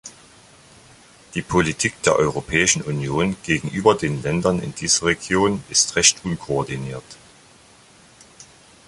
Die Politik der Europäischen Union gegenüber den Ländern in dieser Region ist recht unkoordiniert.